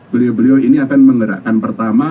beliau beliau ini akan menggerakkan pertama